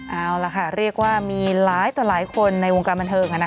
เอาล่ะค่ะเรียกว่ามีหลายต่อหลายคนในวงการบันเทิง